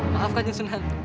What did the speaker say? maafkan kanjang sunan